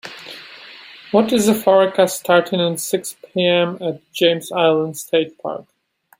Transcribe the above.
what is the forecast starting at six pm at Janes Island State Park